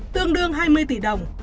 tương đương hai mươi tỷ đồng